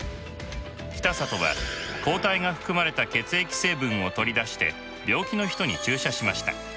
北里は抗体が含まれた血液成分を取り出して病気の人に注射しました。